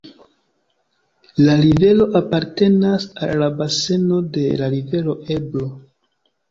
La rivero apartenas al la baseno de la rivero Ebro.